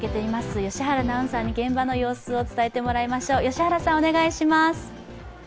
良原アナウンサーに現場の様子伝えていただきましょう。